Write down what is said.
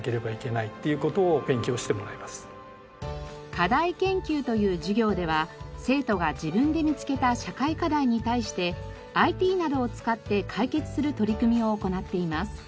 課題研究という授業では生徒が自分で見つけた社会課題に対してＩＴなどを使って解決する取り組みを行っています。